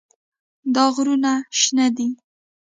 دا غرونه شنه دي.